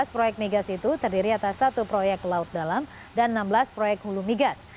lima belas proyek migas itu terdiri atas satu proyek laut dalam dan enam belas proyek hulu migas